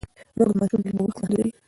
مور د ماشوم د لوبو وخت محدودوي.